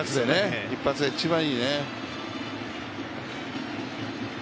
一発で、一番いいね。